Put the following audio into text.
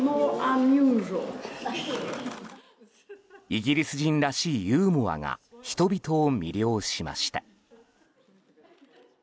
イギリス人らしいユーモアが人々を魅了しました。